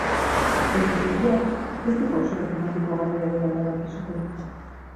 Euren bidean beste pauso bat emateko garaia dela erabaki zuten.